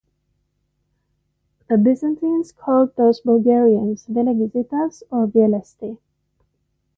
The Byzantines called those Bulgarians Velegizitas or Vielesti.